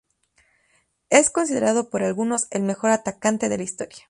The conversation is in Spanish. Es considerado por algunos "el mejor atacante de la historia".